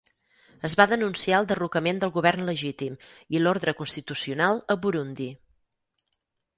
Es va denunciar el derrocament del govern legítim i l'ordre constitucional a Burundi.